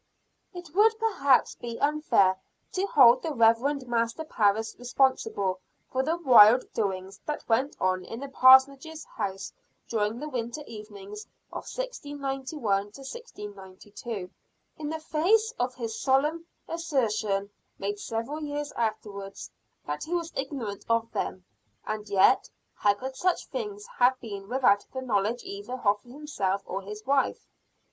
It would, perhaps be unfair to hold the Reverend Master Parris responsible for the wild doings that went on in the parsonage house during the winter evenings of 1691 2, in the face of his solemn assertion, made several years afterwards, that he was ignorant of them. And yet, how could such things have been without the knowledge either of himself or his wife?